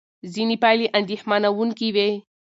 ځینې پایلې اندېښمنوونکې وې.